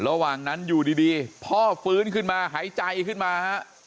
ระหว่างนั้นอยู่ดีพ่อฟื้นขึ้นมาหายใจขึ้นมาฮะ